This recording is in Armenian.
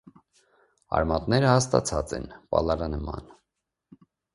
Արմատները հաստացած են, պալարանման։